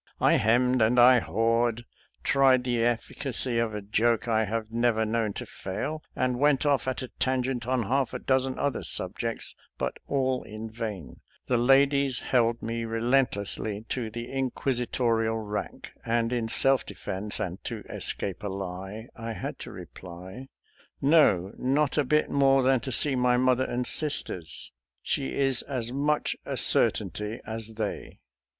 I hemmed and I hawed, tried the ef&cacy of a joke I have never known to fail, and went off at a tangent on half a dozen other sub jects, but all in vain; the ladies held me relent lessly to the inquisitorial rack, and in self defense, and to escape a lie, I had to reply, " No ; not a bit more than to see my mother and sisters. She is as much a certainty as they."